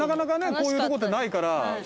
こういうとこってないから。